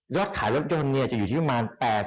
รถขายรถยนต์จะอยู่ที่ประมาณ๘๙๑๐๐๐บาท